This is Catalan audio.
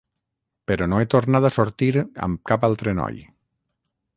Però no he tornat a sortir amb cap altre noi.